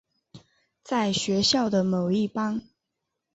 在学校的某一班。